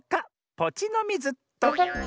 ポチのミズっと。